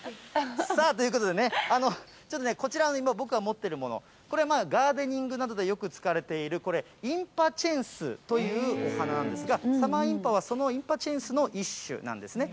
ということでね、ちょっと、こちらに僕が今持っているもの、これ、ガーデニングなどでよく使われている、これ、インパチェンスというお花なんですが、サマーインパはそのインパチェンスの一種なんですね。